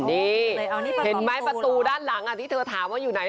นี่เห็นไหมประตูด้านหลังที่เธอถามว่าอยู่ไหน